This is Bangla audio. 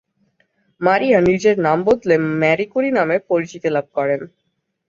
মারিয়া নিজের নাম বদলে মারি ক্যুরি নামে পরিচিতি লাভ করেন।